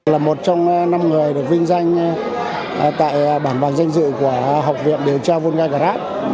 là một trong năm người được vinh danh tại bảng bàn danh dự của học viện điều tra volgagrad